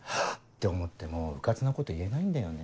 て思ってもうかつなこと言えないんだよね。